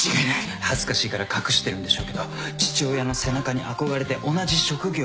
恥ずかしいから隠してるんでしょうけど父親の背中に憧れて同じ職業を目指したい。